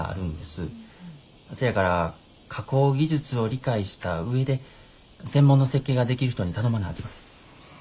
せやから加工技術を理解した上で専門の設計ができる人に頼まなあきません。